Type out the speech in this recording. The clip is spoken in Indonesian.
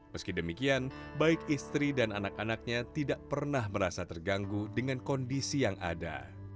meski demikian baik istri dan anak anaknya tidak pernah merasa terganggu dengan kondisi yang ada